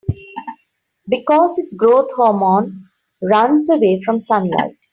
Because its growth hormone runs away from sunlight.